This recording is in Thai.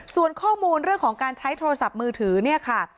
ส่วนข้อมูลเรื่องของการใช้โทรศัพท์มือถือเนี่ยค่ะ